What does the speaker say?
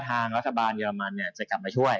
ทางรัฐบาลเยอรมันจะกลับมาช่วย